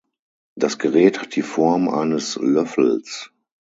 Das Gerät hat die Form eines Löffels.